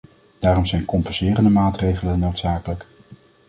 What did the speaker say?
Daarom zijn compenserende maatregelen noodzakelijk.